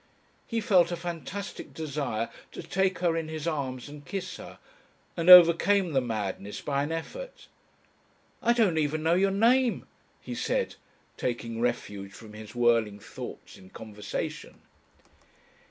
He felt a fantastic desire to take her in his arms and kiss her, and overcame the madness by an effort. "I don't even know your name," he said, taking refuge from his whirling thoughts in conversation.